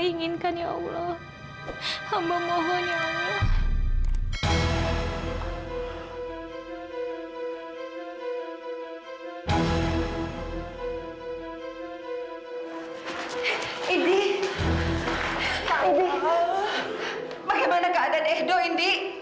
indi kenapa diam aja indi